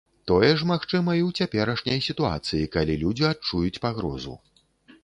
Тое ж магчыма і ў цяперашняй сітуацыі, калі людзі адчуюць пагрозу.